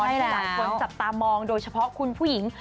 หลายคนจับตามองโดยเฉพาะคุณผู้หญิง